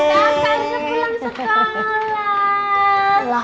kaka udah pulang sekolah